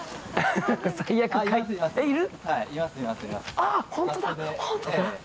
あっ、本当だ！